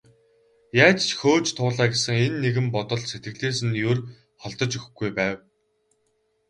Яаж ч хөөж туулаа гэсэн энэ нэгэн бодол сэтгэлээс нь ер холдож өгөхгүй байв.